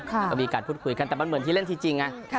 ก็มีการพูดคุยกันแต่มันเหมือนที่เล่นทีจริงไง